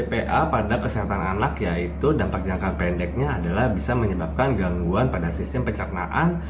pa pada kesehatan anak yaitu dampak jangka pendeknya adalah bisa menyebabkan gangguan pada sistem pencernaan